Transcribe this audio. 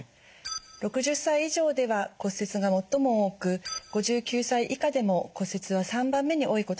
６０歳以上では骨折が最も多く５９歳以下でも骨折は３番目に多いことが分かっています。